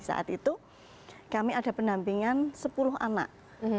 saat itu kami ada pendampingan sepuluh anak